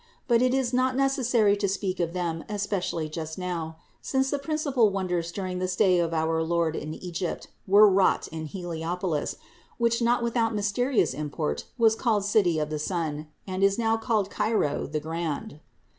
But it is not necessary to speak of them especially just now ; since the principal wonders during the stay of our Lord in Egypt were wrought in Heliopolis, which, not without mysterious import, was called city of the sun, and is now called Cairo, the grand.